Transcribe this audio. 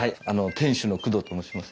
店主の工藤と申します。